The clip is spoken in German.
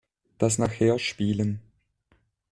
Das nachher spielen.